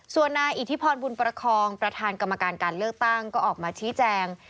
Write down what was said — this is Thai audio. ส่วนนายอิทธิพรบุญประคองประธานกรรมการการเลือกตั้งก็ออกมาชี้แจง